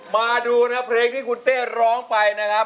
มาดูนะครับเพลงที่คุณเต้ร้องไปนะครับ